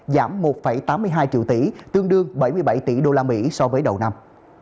giảm một tám mươi hai triệu tỷ tương đương bảy mươi bảy tỷ usd so với đầu năm